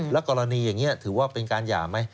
แล้วกรณีอย่างนี้ถือว่าเป็นการหย่าไหม